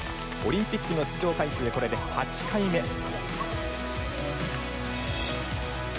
オリンピックの出場回数はこれで８回目。